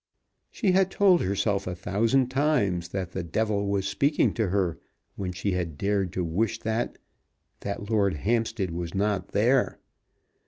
She had told herself a thousand times that the Devil was speaking to her when she had dared to wish that, that Lord Hampstead was not there!